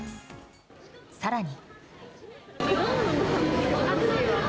更に。